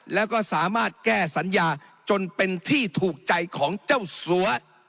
แล้วก็สามารถแก้สัญญาจนเป็นที่ถูกใจของเจ้าสัว